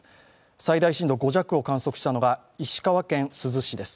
最大震度５弱を観測したのは石川県、珠洲市です。